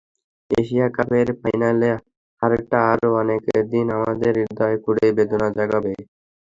Asia কাপের ফাইনালে হারটা আরও অনেক দিন বাংলাদেশের হৃদয় খুঁড়ে বেদনা জাগাবে।